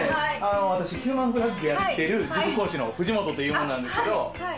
私ヒューマンフラッグやってる塾講師の藤本という者なんですけど。